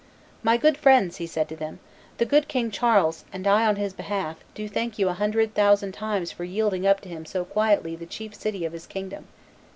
"My good friends," he said to them, "the good King Charles, and I on his behalf, do thank you a hundred thousand times for yielding up to him so quietly the chief city of his kingdom.